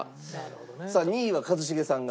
さあ２位は一茂さんが。